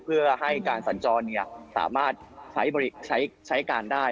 เพื่อให้การสัญจรเนี้ยสามารถใช้บริใช้การได้